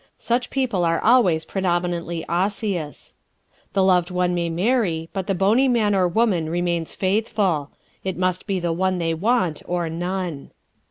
Such people are always predominantly Osseous. The loved one may marry but the bony man or woman remains faithful; it must be the one they want or none.